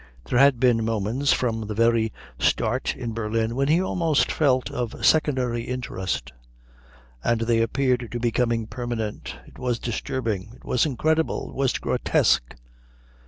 There had been moments from the very start in Berlin when he almost felt of secondary interest, and they appeared to be becoming permanent. It was disturbing. It was incredible. It was grotesque.